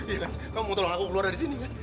iya kan kamu mau tolong aku keluar dari sini kan